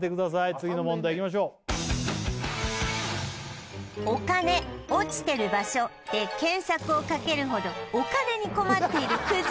次の問題いきましょう「お金落ちてる場所」で検索をかけるほどお金に困っているクズ